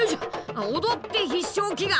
踊って必勝祈願！